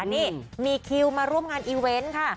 นี่มีคิวมาร่วมงานอีเวนต์ค่ะ